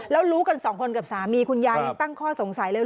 แล้วรู้กันสองคนกับสามีคุณยายยังตั้งข้อสงสัยเลย